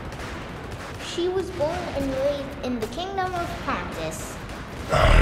She was born and raised in the Kingdom of Pontus.